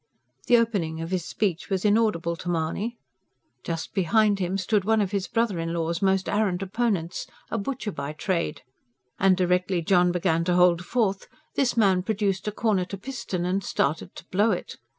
The opening of his speech was inaudible to Mahony. Just behind him stood one of his brother in law's most arrant opponents, a butcher by trade, and directly John began to hold forth this man produced a cornet a piston and started to blow it.